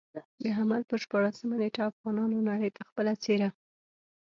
د حمل پر شپاړلسمه نېټه افغانانو نړۍ ته خپله څېره.